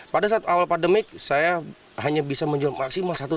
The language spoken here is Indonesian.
pada saat awal pandemi saya hanya bisa menjual maksimal satu